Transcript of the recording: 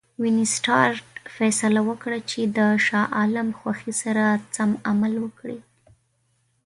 وینسیټارټ فیصله وکړه چې د شاه عالم خوښي سره سم عمل وکړي.